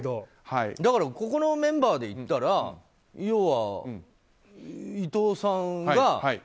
だからここのメンバーでいったら伊藤さんが。